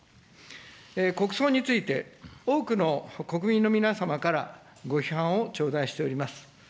国葬について、多くの国民の皆様からご批判を頂戴しております。